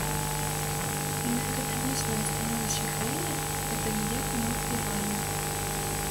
І на эканамічнае становішча краіны гэта ніяк не ўплывае.